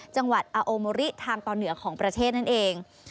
จังหวัดอาโอโมริทางตอนเหนือของประเทศนั่นเอง